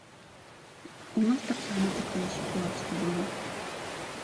У нас таксама такая сітуацыя была.